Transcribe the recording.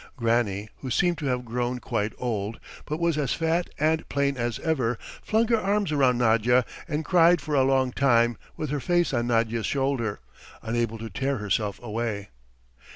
Granny, who seemed to have grown quite old, but was as fat and plain as ever, flung her arms round Nadya and cried for a long time with her face on Nadya's shoulder, unable to tear herself away.